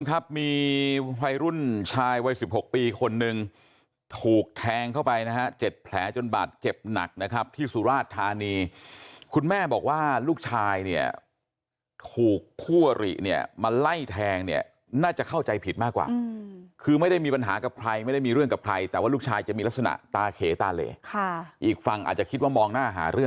ครับมีวัยรุ่นชายวัยสิบหกปีคนนึงถูกแทงเข้าไปนะฮะ๗แผลจนบาดเจ็บหนักนะครับที่สุราชธานีคุณแม่บอกว่าลูกชายเนี่ยถูกคู่อริเนี่ยมาไล่แทงเนี่ยน่าจะเข้าใจผิดมากกว่าคือไม่ได้มีปัญหากับใครไม่ได้มีเรื่องกับใครแต่ว่าลูกชายจะมีลักษณะตาเขตาเหลค่ะอีกฝั่งอาจจะคิดว่ามองหน้าหาเรื่อง